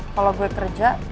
kalau gue kerja